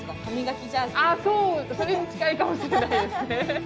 あそうそれに近いかもしれないですね。